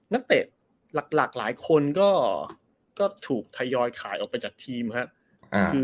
นักเตะหลักหลายคนก็ถูกทยอยขายออกไปจากทีมครับ